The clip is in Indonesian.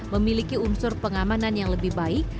memiliki unsur pengamanan yang lebih baik